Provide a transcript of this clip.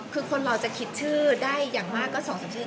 คือคนเราจะคิดชื่อได้อย่างมากก็๒๓ชื่อ